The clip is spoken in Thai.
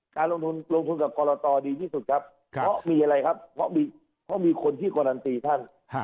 การลงทุนลงทุนกับกรตดีที่สุดครับเพราะมีอะไรครับเพราะมีคนที่การันตีท่าน